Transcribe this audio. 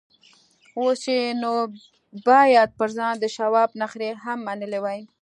اوس يې نو بايد پر ځان د شواب نخرې هم منلې وای.